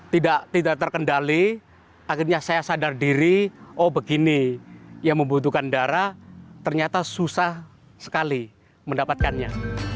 tidak terkendali akhirnya saya sadar diri oh begini yang membutuhkan darah ternyata susah sekali mendapatkannya